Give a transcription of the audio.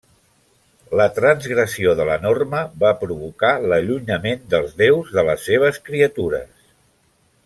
La transgressió de la norma va provocar l'allunyament dels déus de les seves criatures.